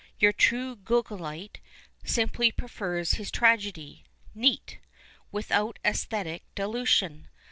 Your true Guignolite simply pritVrs his tragedy " neat," without a sthctic dilution.